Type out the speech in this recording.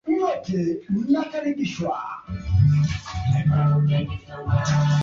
hatustahili kuwapa wananchi wetu serikali ya kiwango kidogo